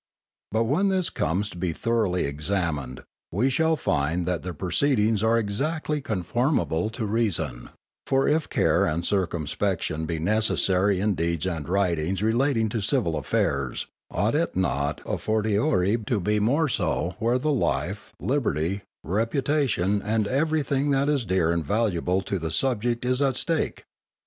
But when this comes to be thoroughly examined, we shall find that their proceedings are exactly conformable to reason, for if care and circumspection be necessary in deeds and writings relating to civil affairs, ought it not a fortiori to be more so where the life, liberty, reputation and everything that is dear and valuable to the subject is at stake?